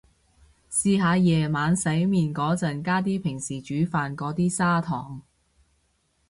試下夜晚洗面個陣加啲平時煮飯個啲砂糖